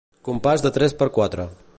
Compàs de tres per quatre.